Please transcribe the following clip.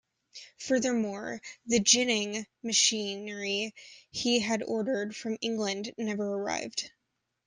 Furthermore, the ginning machinery he had ordered from England never arrived.